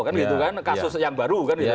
kan gitu kan kasus yang baru